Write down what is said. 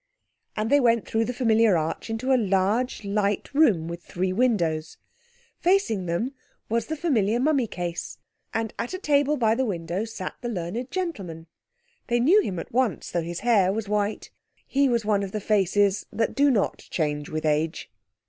And they went through the familiar arch into a large, light room with three windows. Facing them was the familiar mummy case. And at a table by the window sat the learned gentleman. They knew him at once, though his hair was white. He was one of the faces that do not change with age.